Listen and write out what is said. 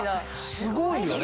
すごいよね。